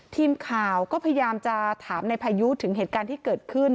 ทีมข่าวก็พยายามจะถามในพายุถึงเหตุการณ์ที่เกิดขึ้น